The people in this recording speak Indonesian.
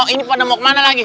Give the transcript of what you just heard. ini pada mau kemana lagi